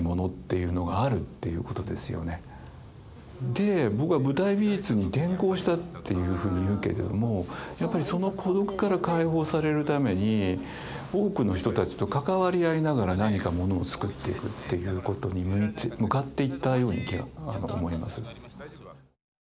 で僕は舞台美術に転向したっていうふうに言うけれどもやっぱりその孤独から解放されるために多くの人たちと関わり合いながら何かモノをつくっていくっていうことに向かっていったように思います。